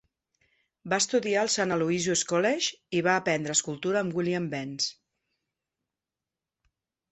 Va estudiar al Saint Aloysius College i va aprendre escultura amb William Behnes.